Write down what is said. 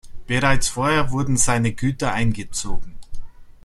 Bereits vorher wurden seine Güter eingezogen.